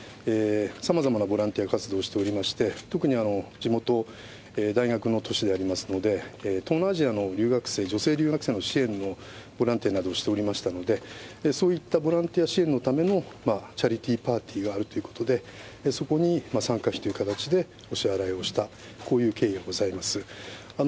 さまざまなボランティア活動をしておりまして、特に地元、大学の都市でありますので、東南アジアの留学生、女性留学生の支援のボランティアなどをしておりましたので、そういったボランティア支援のためのチャリティーパーティーがあるということで、そこに参加費という形でお支払いをした、こういう経緯はございます。